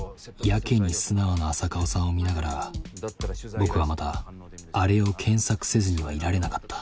やけに素直な浅川さんを見ながら僕はまたあれを検索せずにはいられなかった。